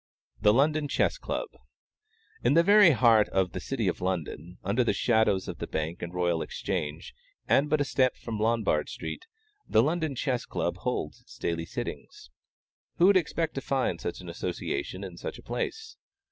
THE LONDON CHESS CLUB. In the very heart of the City of London, under the shadows of the Bank and Royal Exchange, and but a step from Lombard street, the London Chess Club holds its daily sittings. Who would expect to find such an association in such a place?